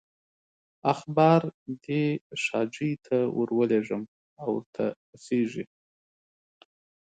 اخبار دې شاجوي ته ورولېږم او ورته رسېږي.